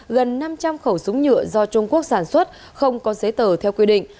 gần năm trăm linh khẩu súng nhựa do trung quốc sản xuất không có giấy tờ theo quy định